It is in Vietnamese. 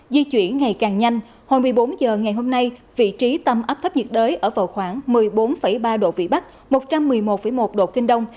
di chuyển ngày càng nhanh hồi một mươi bốn h ngày hôm nay vị trí tâm áp thấp nhiệt đới ở vào khoảng một mươi bốn ba độ vĩ bắc một trăm một mươi một một độ kinh đông